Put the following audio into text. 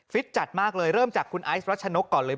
จัดมากเลยเริ่มจากคุณไอซ์รัชนกก่อนเลย